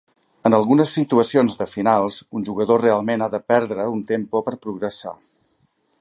En algunes situacions de finals, un jugador realment ha de "perdre" un tempo per progressar.